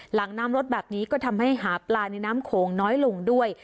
หลังน้ำลดแบบนี้ก็ทำให้หาปลาในน้ำโขงน้อยลงด้วย